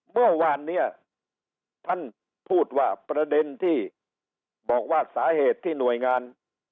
เมื่อวานเนี่ยท่านพูดว่าประเด็นที่บอกว่าสาเหตุที่หน่วยงาน